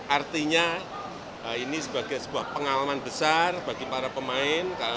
artinya ini sebagai sebuah pengalaman besar bagi para pemain